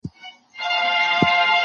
چېري د سترې محکمې پرېکړي نهایی دي؟